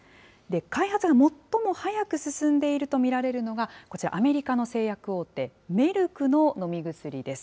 開発が最も早く進んでいると見られるのが、こちら、アメリカの製薬大手、メルクの飲み薬です。